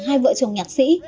hai vợ chồng nhạc sĩ